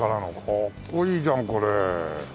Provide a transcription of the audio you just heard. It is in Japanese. かっこいいじゃんこれ。